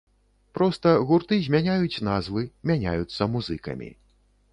Проста гурты змяняюць назвы, мяняюцца музыкамі.